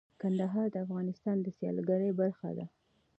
کندهار د افغانستان د سیلګرۍ برخه ده.